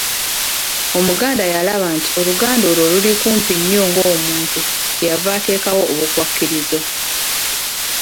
Omuganda yalaba nti oluganda olwo nga luli kumpi nnyo n’omuntu kye yava ateekawo “obukwakkulizo.”